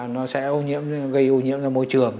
nó sẽ gây ô nhiễm ra môi trường